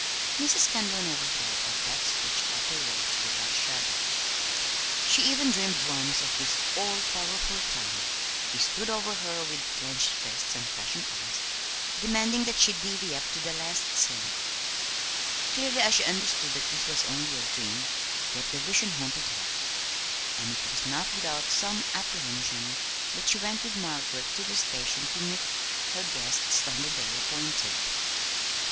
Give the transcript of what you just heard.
Mrs. Kendall never thought of that speech afterward without a shudder. She even dreamed once of this all powerful Tom he stood over her with clinched fists and flashing eyes, demanding that she "divvy up" to the last cent. Clearly as she understood that this was only a dream, yet the vision haunted her; and it was not without some apprehension that she went with Margaret to the station to meet her guests, on the day appointed.